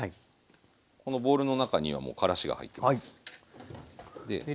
このボウルの中にはもうからしが入ってます。